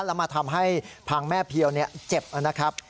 แล้วมาทำให้พังแม่เพียวเจ็บนะครับ